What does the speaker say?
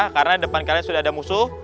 karena depan kalian sudah ada musuh